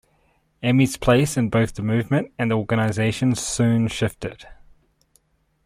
Amy's place in both the movement and the organization soon shifted.